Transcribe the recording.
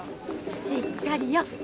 しっかりよ。